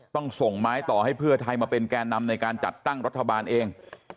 ต้องส่งไม้ต่อให้เพื่อไทยมาเป็นแก่นำในการจัดตั้งรัฐบาลเอง